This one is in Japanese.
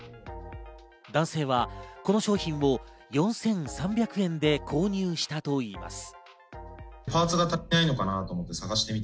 男性はこの商品を４３００円で購入したといいます。